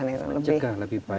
mencegah lebih baik